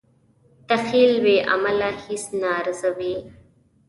تخیل بې عمله هیڅ نه ارزوي.